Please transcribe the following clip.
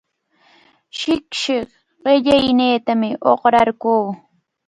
Shipshi qillayniitami uqrarquu.